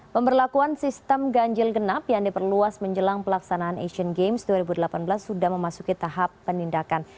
pemberlakuan sistem ganjil genap yang diperluas menjelang pelaksanaan asian games dua ribu delapan belas sudah memasuki tahap penindakan